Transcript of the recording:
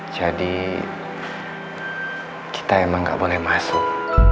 jadi kita emang gak boleh masuk